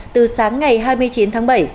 từ sáng ngày hai mươi chín tháng bảy